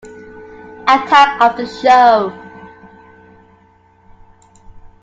Attack of the Show!